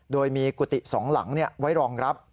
โดยมีกุฏิสองหลังไว้รองรับ